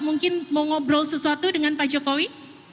mungkin mau ngobrol sesuatu dengan pak jokowi